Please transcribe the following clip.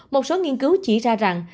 một số nghiên cứu chỉ ra rằng